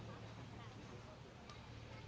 สวัสดีครับทุกคน